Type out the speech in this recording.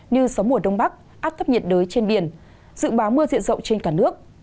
như sóng mùa đông bắc át thấp nhiệt đới trên biển dự báo mưa diện rộng trên cả nước